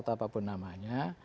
atau apapun namanya